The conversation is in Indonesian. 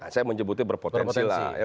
saya menyebutnya berpotensi lah